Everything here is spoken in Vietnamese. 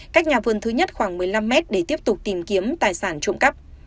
cách nhà vườn thứ nhất khoảng một mươi năm mét để tiếp tục tìm kiếm tài sản trộm cắp